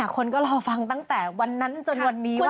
คนก็รอฟังตั้งแต่วันนั้นจนวันนี้ว่า